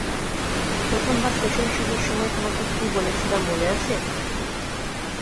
প্রথমবার সেশন শুরুর সময় তোমাকে কি বলেছিলাম মনে আছে?